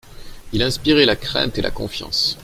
Il inspirait la crainte et la confiance.